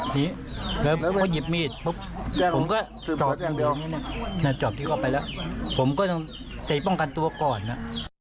นี่เขาหยิบมีดผมก็จอบทุบหัวไปแล้วผมก็ต้องเตะป้องกันตัวก่อนนะ